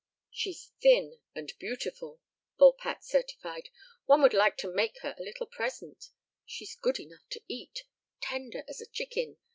"She's thin and beautiful," Volpatte certified; "one would like to make her a little present she's good enough to eat tender as a chicken.